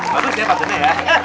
bagus ya panggungnya ya